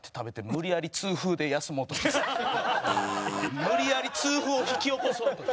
無理やり痛風を引き起こそうと。